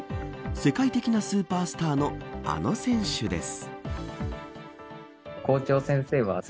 世界的なスーパースターのあの選手です。